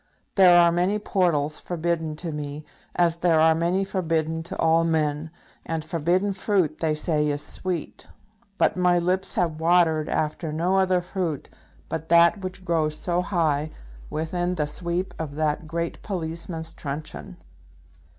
There are many portals forbidden to me, as there are many forbidden to all men; and forbidden fruit, they say, is sweet; but my lips have watered after no other fruit but that which grows so high, within the sweep of that great policeman's truncheon.